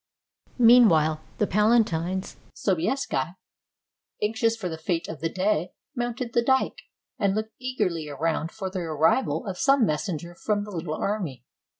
Meanwhile the Palatine Sobieski, anxious for the fate of the day, mounted the dike, and looked eagerly around for the arrival of some messenger from the little army.